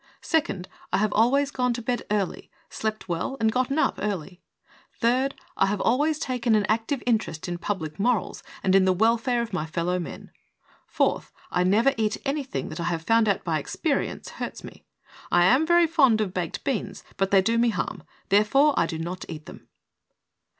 Second, I have always gone to bed early, slept well and gotten up early. Third, I have always taken an active interest in public morals and in the welfare of my fellow men. Fourth, I never eat anything that I have found out by experience hurts me. I am very fond of baked beans, but they do me harm, therefore, I do not eat them."